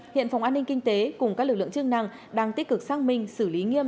hiện phòng an ninh kinh tế cùng các lực lượng chức năng đang tích cực xác minh xử lý nghiêm